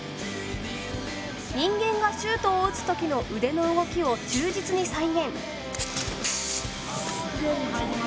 人間がシュートを打つ時の腕の動きを忠実に再現。